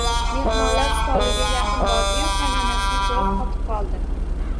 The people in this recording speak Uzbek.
Mehmonlar stoliga yaqin bordi-yu, qaynonasini koʻrib qotib qoldi